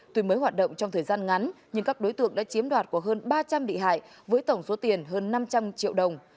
tuy mới hoạt động trong thời gian ngắn nhưng các đối tượng đã chiếm đoạt của hơn ba trăm linh bị hại với tổng số tiền hơn năm trăm linh triệu đồng